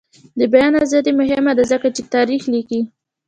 د بیان ازادي مهمه ده ځکه چې تاریخ لیکي.